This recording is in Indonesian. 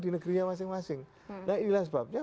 di negerinya masing masing nah inilah sebabnya